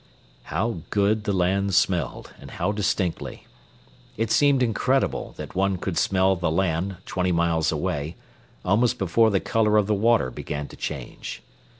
How good the land smelled, and how distinctly. It seemed incredible that one could smell the land twenty miles away, almost before the color of the water began to change.